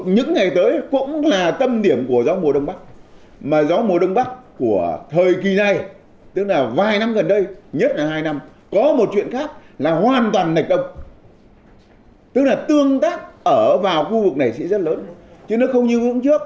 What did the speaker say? những năm trước chưa tác động biến đổi khí hậu